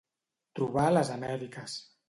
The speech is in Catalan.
Trobar les Amèriques.